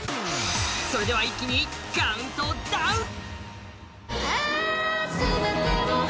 それでは一気に、カウントダウン！